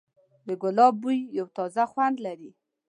د ګلاب بوی یو تازه خوند لري.